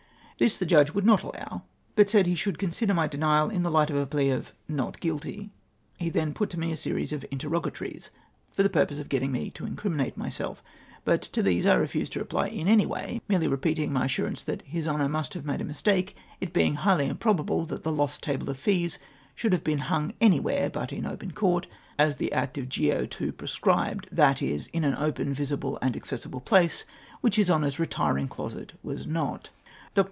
This the Judge would not allow, but said he slioidd consider my denial in the light of a plea of " not guilty." He then put to me a series of interrogatories, for the purpose of getting me to criminate myself; but to these I refused to reply in any way, merely repeating my assurance that his Honoiu must have made a mis take, it being highly improbable that the lost table of fees should liave been hung anywhere but in open Court, as tJie Act of Geo. II. prescribed, viz. : ia an open, visible, and accessible place, which his Honour's retinng closet was not. Dr.